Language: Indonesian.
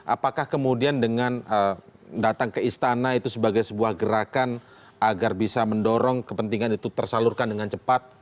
apakah kemudian dengan datang ke istana itu sebagai sebuah gerakan agar bisa mendorong kepentingan itu tersalurkan dengan cepat